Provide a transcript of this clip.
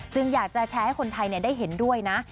อยากจะแชร์ให้คนไทยได้เห็นด้วยนะ